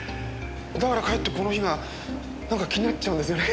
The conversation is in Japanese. だからかえってこの日が気になっちゃうんですよねえ。